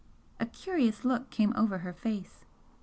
A curious look came over her face.